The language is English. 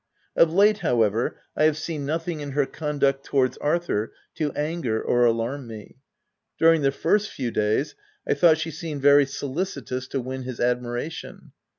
Of late, however, I have seen nothing in her conduct towards Arthur to anger or alarm me. During the first few days I thought she seemed very solicitous to win his admiration.